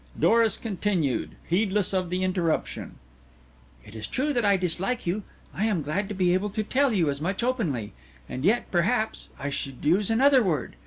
Doris continued, heedless of the interruption. "It is true that I dislike you. I am glad to be able to tell you as much openly. And yet, perhaps, I should use another word.